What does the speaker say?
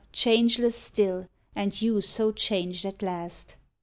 changeless still, and you so changed at last